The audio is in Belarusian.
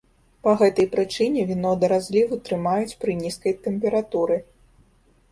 Па гэтай прычыне віно да разліву трымаюць пры нізкай тэмпературы.